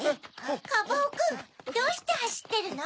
カバオくんどうしてはしってるの？